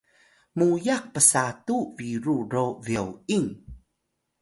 muyax psatu biru ro byoying